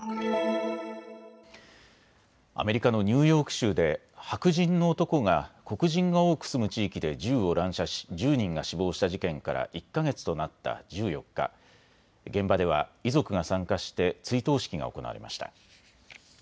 アメリカのニューヨーク州で白人の男が黒人が多く住む地域で銃を乱射し１０人が死亡した事件から１か月となった１４日、現場では遺族が参加して追悼式が行われました。